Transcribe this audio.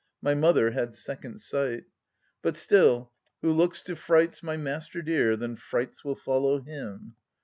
,,. My mother had second sight. But still : "Wha looks to frelts, my master dear. Then freits will follow him."